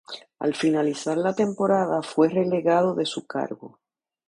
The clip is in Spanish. Al finalizar la temporada fue relegado de su cargo.